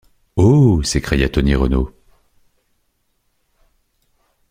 Oh! s’écria Tony Renault...